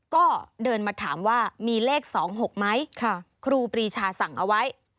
ก็เดินมาถามว่ามีเลข๒๖ไหมครูปรีชาสั่งเอาไว้